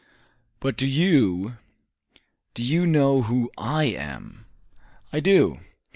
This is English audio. '" "But do you do you know who I am?" "I do."